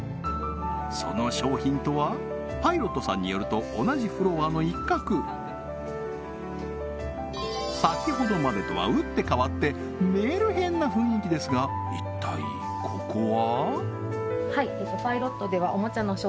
その商品とはパイロットさんによると先ほどまでとは打って変わってメルヘンな雰囲気ですが一体ここは？